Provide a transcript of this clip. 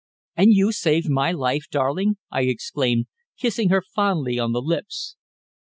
"And you saved my life, darling!" I exclaimed, kissing her fondly on the lips.